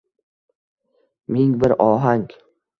Ming bir ohang